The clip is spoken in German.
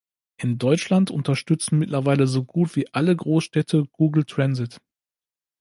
In Deutschland unterstützen mittlerweile so gut wie alle Großstädte Google Transit.